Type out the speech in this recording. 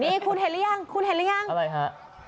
นี่คุณเห็นหรือยังคุณเห็นหรือยังอะไรฮะ